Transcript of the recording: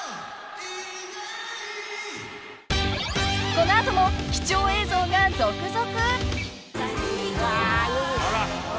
［この後も貴重映像が続々］